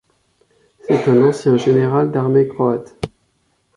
C’est un ancien général d'armée croate.